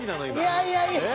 いやいやいや。